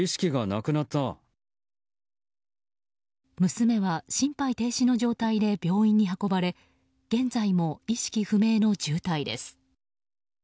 娘は、心肺停止の状態で病院に運ばれ現在も意識不明の重体です。